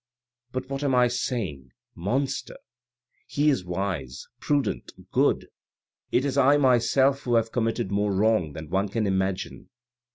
" But what am I saying ? Monster ? He is wise, prudent, good. It is I myself who have committed more wrong than one can imagine."